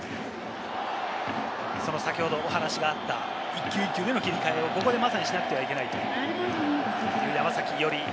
先ほどお話があった一球一球での切り替えをまさにここでしなくてはいけない、山崎伊織。